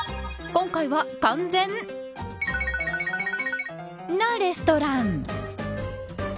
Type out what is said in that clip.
今回は、完全○○なレストラン。